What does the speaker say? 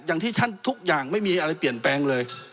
อย่างที่ท่านทุกอย่างไม่มีอะไรเปลี่ยนแปลงเลย